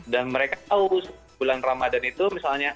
dan mereka tahu bulan ramadhan itu misalnya